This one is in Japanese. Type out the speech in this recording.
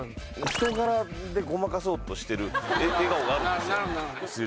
人柄でごまかそうとしてる笑顔があるんですよ